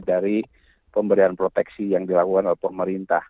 dari pemberian proteksi yang dilakukan oleh pemerintah